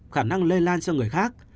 khả năng lây lan cho người khác